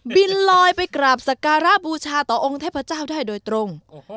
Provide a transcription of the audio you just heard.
บินลอยไปกราบสการะบูชาต่อองค์เทพเจ้าได้โดยตรง